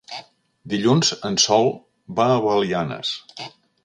Dilluns en Sol va a Belianes.